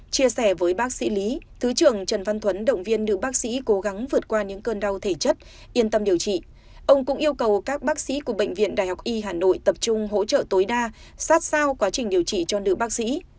chia sẻ với bác sĩ lý thứ trưởng trần văn thuấn động viên nữ bác sĩ cố gắng vượt qua những cơn đau thể chất yên tâm điều trị ông cũng yêu cầu các bác sĩ của bệnh viện đại học y hà nội tập trung hỗ trợ tối đa sát sao quá trình điều trị cho nữ bác sĩ